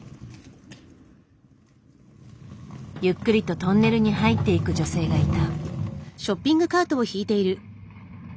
ゆっくりとトンネルに入っていく女性がいた。